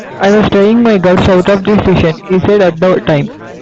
"I was trying my guts out this season", he said at the time.